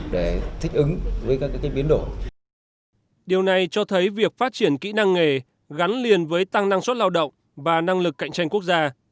điều này cho thấy việc phát triển kỹ năng nghề gắn liền với tăng năng suất lao động và năng lực cạnh tranh quốc gia